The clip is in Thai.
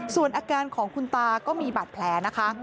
ส่วนอาการของคุณตาก็มีบาดแผลนะคะ